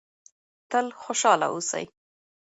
تل خوشحاله اوسئ.